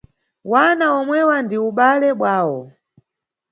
Wana omwewa ndi ubale bwawo.